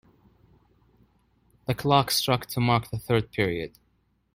The clock struck to mark the third period.